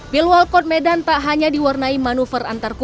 pilwal kod medan tak hanya diwarnai manufaktur